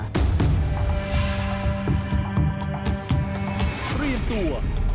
เตรียมตัว